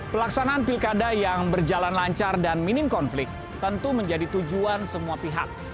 pelaksanaan pilkada yang berjalan lancar dan minim konflik tentu menjadi tujuan semua pihak